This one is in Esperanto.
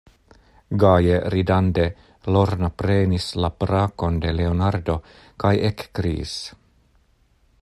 Gaje ridante, Lorna prenis la brakon de Leonardo kaj ekkriis: